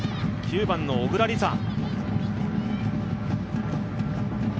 ９番の小倉莉彩。